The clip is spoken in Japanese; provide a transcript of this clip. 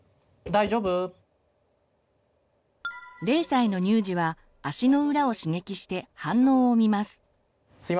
０歳の乳児は足の裏を刺激して反応を見ます。